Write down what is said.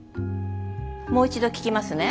もう一度聞きますね。